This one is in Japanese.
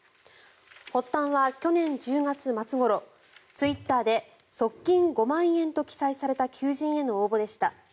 発端は去年１０月末ごろツイッターで即金５万円と記載された求人への応募でした。